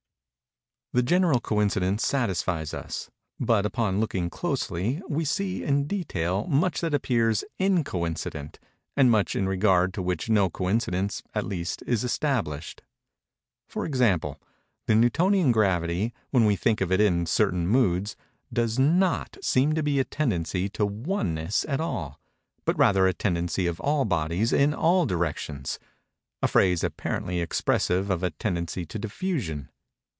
The general coincidence satisfies us; but, upon looking closely, we see, in detail, much that appears _in_coincident, and much in regard to which no coincidence, at least, is established. For example; the Newtonian gravity, when we think of it in certain moods, does not seem to be a tendency to oneness at all, but rather a tendency of all bodies in all directions—a phrase apparently expressive of a tendency to diffusion.